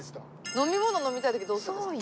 飲み物飲みたいときどうするんですか？